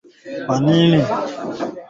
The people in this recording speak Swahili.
Kanyama kasese ilileta amani mu kolwezi